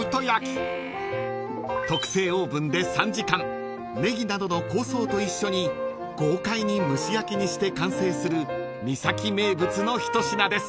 ［特製オーブンで３時間ネギなどの香草と一緒に豪快に蒸し焼きにして完成する三崎名物の一品です］